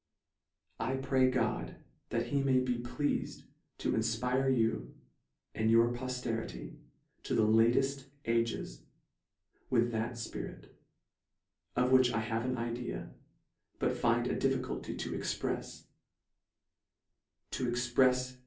I pray God, that he may be pleafed to infpire you and your pofterity to the latefi: ages with that fpirit, of which I have an idea, but find a difficulty to exprefs : to exprefs in LETTER III.